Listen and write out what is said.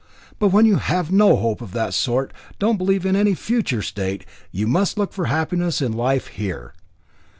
But when you have no hope of that sort, don't believe in any future state, you must look for happiness in life here.